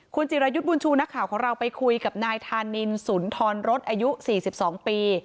คุณจิรายุทธ์บุญชูนักข่าวของเราไปคุยกับนายธานินสุนทรรสอายุ๔๒ปี